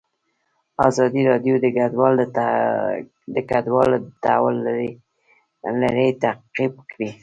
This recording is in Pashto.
ازادي راډیو د کډوال د تحول لړۍ تعقیب کړې.